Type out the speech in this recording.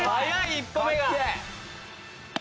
１歩目が。